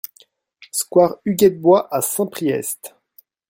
Square Huguette Bois à Saint-Priest